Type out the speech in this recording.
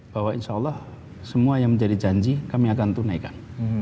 bahwa insya allah semua yang menjadi janji kami akan tunaikan